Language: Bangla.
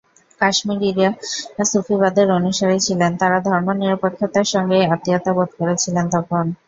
কাশ্মীরিরা সুফিবাদের অনুসারী ছিলেন, তারা ধর্মনিরপেক্ষতার সঙ্গেই আত্মীয়তা বোধ করেছিলেন তখন।